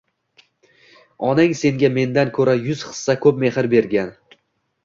Onang senga mendan ko’ra yuz hissa ko’p mehr bergan!